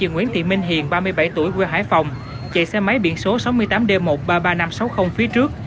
nguyễn thị minh hiền ba mươi bảy tuổi quê hải phòng chạy xe máy biển số sáu mươi tám d một trăm ba mươi ba nghìn năm trăm sáu mươi phía trước